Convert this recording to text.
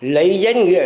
lấy danh nghĩa